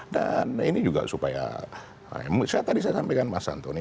dan ini juga supaya saya tadi saya sampaikan mas santo ini